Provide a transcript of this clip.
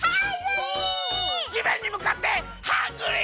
じめんにむかってハングリー！